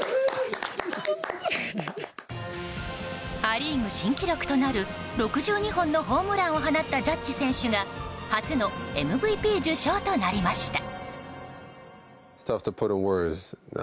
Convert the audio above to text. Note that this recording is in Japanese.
ア・リーグ新記録となる６２本のホームランを放ったジャッジ選手が初のＭＶＰ受賞となりました。